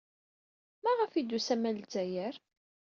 Maɣef ay d-tusam ɣer Lezzayer?